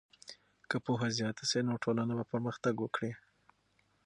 که پوهه زیاته سي نو ټولنه به پرمختګ وکړي.